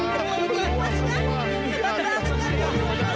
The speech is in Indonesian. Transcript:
kita mau sembarin dari sini aja